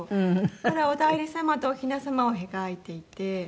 これはお内裏様とおひな様を描いていて。